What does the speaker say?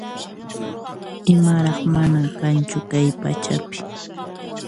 Imaraq mana kanchu kay pachapi